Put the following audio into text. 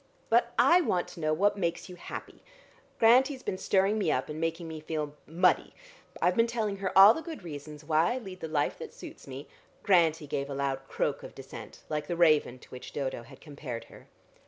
"But I want to know what makes you happy. Grantie's been stirring me up, and making me feel muddy. I've been telling her all the good reasons why I lead the life that suits me " Grantie gave a loud croak of dissent, like the raven to which Dodo had compared her.